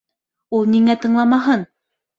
Ул ниңә тыңламаһын!